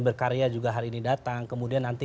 berkarya juga hari ini datang kemudian nanti